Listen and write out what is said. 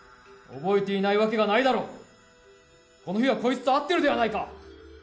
覚えていないわけがないだろ、この日はこいつと会ってるではないか。